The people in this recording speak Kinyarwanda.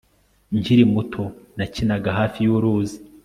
Nkiri muto nakinaga hafi yuruzi